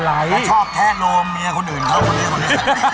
เขาชอบแท้โรมเมียคนอื่นเขาคุณหน่อยคุณหน่อย